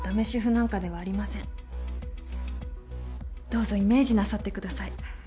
どうぞイメージなさってください